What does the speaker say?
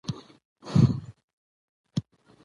مېلې د کورنیو تر منځ محبت زیاتوي.